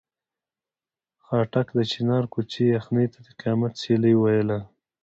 خاټک د چنار کوڅې یخنۍ ته د قیامت سیلۍ ویله.